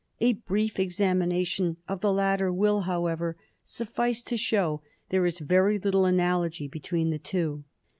A brief examination of the latter will, however, suffice to show there is very little analogy between the two.